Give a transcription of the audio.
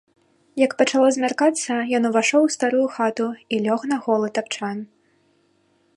Як пачало змяркацца, ён увайшоў у старую хату і лёг на голы тапчан.